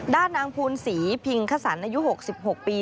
ด้านนางภูนศรีพิงคสันอายุ๖๖ปี